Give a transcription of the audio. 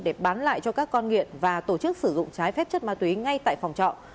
để bán lại cho các con nghiện và tổ chức sử dụng trái phép chất ma túy ngay tại phòng trọ